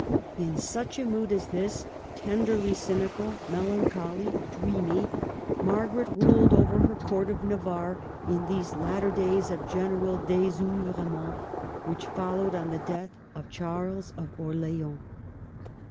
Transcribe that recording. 284 MARGARET OF ANGOUL^ME. In such a mood as this — tenderly cynical, melancholy, dreamy — Margaret ruled over her Court of Navarre in these latter days of general desceuvremejtt which followed on the death of Charles of Orleans.